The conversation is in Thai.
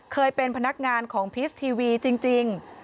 เคยเป็นพนักงานของพีชทีวีจริง